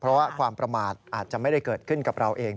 เพราะว่าความประมาทอาจจะไม่ได้เกิดขึ้นกับเราเอง